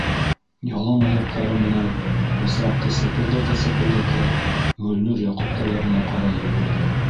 Ялан аяҡтары менән бысраҡты сәпелдәтә-сәпелдәтә, Гөлнур Яҡуптар яғына ҡарай йүгерҙе.